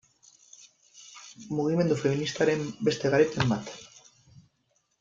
Mugimendu feministaren beste garaipen bat.